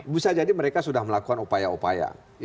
bisa jadi mereka sudah melakukan upaya upaya